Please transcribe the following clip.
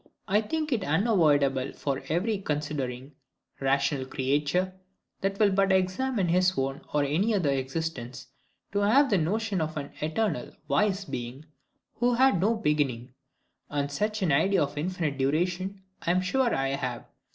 I think it unavoidable for every considering, rational creature, that will but examine his own or any other existence, to have the notion of an eternal, wise Being, who had no beginning: and such an idea of infinite duration I am sure I have.